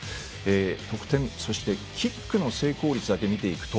得点、そしてキックの成功率だけ見ていくと